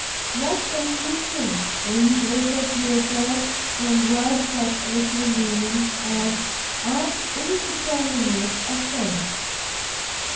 ——What confusion in greater THEATRES from words of little meaning, and as indeterminate a sense!